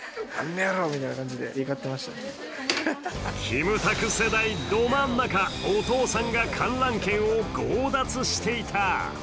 キムタク世代ど真ん中、お父さんが観覧権を強奪していた。